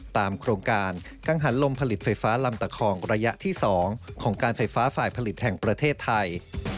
โครงการกังหันลมผลิตไฟฟ้าลำตะคองระยะที่๒ของการไฟฟ้าฝ่ายผลิตแห่งประเทศไทย